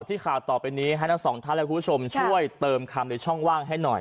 ข่าวต่อไปนี้ให้ทั้งสองท่านและคุณผู้ชมช่วยเติมคำในช่องว่างให้หน่อย